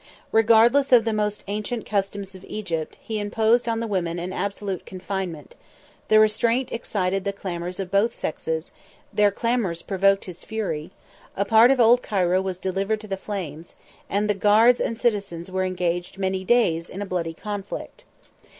Regardless of the most ancient customs of Egypt, he imposed on the women an absolute confinement; the restraint excited the clamors of both sexes; their clamors provoked his fury; a part of Old Cairo was delivered to the flames and the guards and citizens were engaged many days in a bloody conflict.